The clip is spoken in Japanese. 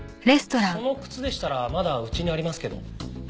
その靴でしたらまだうちにありますけど。